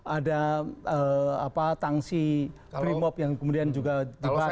ada apa tangsi remob yang kemudian juga dibakar